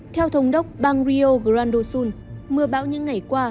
theo thống đốc bang rio grande do sul mưa bão những ngày qua